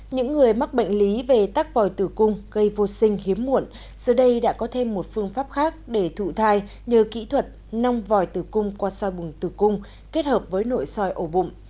những người mắc bệnh lý về tắc vòi tử cung gây vô sinh hiếm muộn giờ đây đã có thêm một phương pháp khác để thụ thai nhờ kỹ thuật nong vòi tử cung qua soi bùng tử cung kết hợp với nội soi ổ bụng